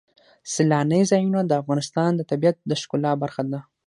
سیلانی ځایونه د افغانستان د طبیعت د ښکلا برخه ده.